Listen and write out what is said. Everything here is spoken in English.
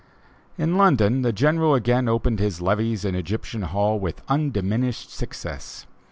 In London the General again opened his levees in Egyptian Hall with undiminished success.